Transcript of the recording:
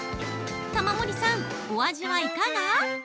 玉森さん、お味はいかが？